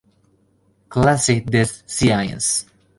Classe des sciences".